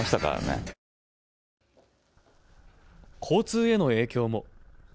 交通への影響も。